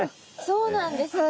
そうなんですね。